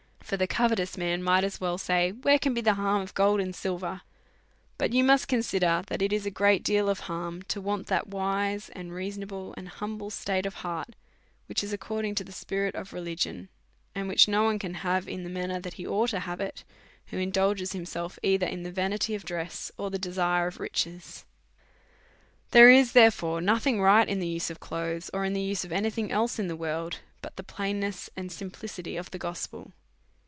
for the covetous man might as well say, where can be the harm of gold or silver ? But you must consider, that it is a great deal of harm to want that wise, and reasonable^ and humble state DEVOUT AND HOLY LIFE. 89 of heart, which is according" to the spirit of religion, and which no one can have in the manner that he oug ht to have it, who indulges himself either in the vanity of dress, or the desire of riches. There is, therefore, nothing right in the use of clothes, or in the use of any thing else in the world, but the plainness and simplicity of the gospel.